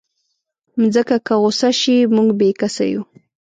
مځکه که غوسه شي، موږ بېکسه یو.